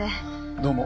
どうも。